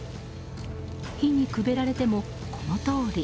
火にくべられてもこのとおり。